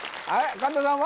神田さんは？